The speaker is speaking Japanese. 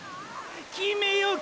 決めようか！！